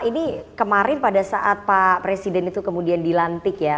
ini kemarin pada saat pak presiden itu kemudian dilantik ya